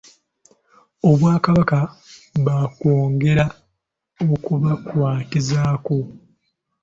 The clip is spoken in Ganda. Obwakabaka baakwongera okubakwatizaako.